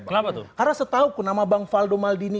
kenapa tuh karena setahuku nama bang faldo maldini